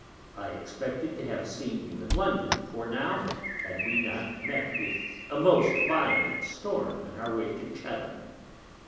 I expected to have seen you in London before now, had we not met with a most violent Storm in our way to Chatham.